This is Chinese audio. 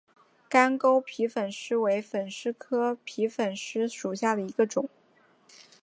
干沟皮粉虱为粉虱科皮粉虱属下的一个种。